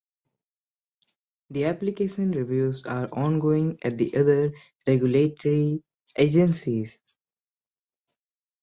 The application reviews are ongoing at the other regulatory agencies.